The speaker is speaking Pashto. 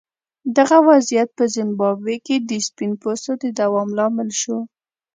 دغه وضعیت په زیمبابوې کې د سپین پوستو د دوام لامل شو.